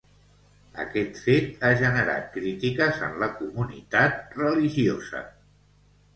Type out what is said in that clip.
Aquest fet ha generat crítiques en la comunitat religiosa.